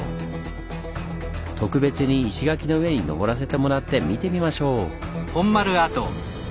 特別に石垣の上にのぼらせてもらって見てみましょう！